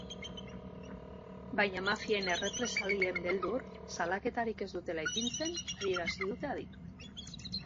Baina mafien errepresalien beldur salaketarik ez dutela ipintzen adierazi dute adituek.